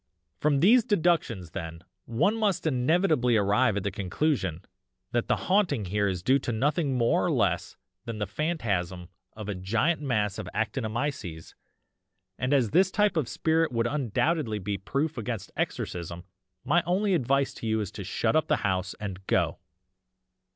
"'From these deductions then, one must inevitably arrive at the conclusion that the haunting here is due to nothing more or less than the phantasm of a giant mass of ACTINOMYCES and as this type of spirit would undoubtedly be proof against exorcism my only advice to you is to shut up the house and go.